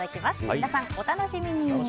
皆さん、お楽しみに。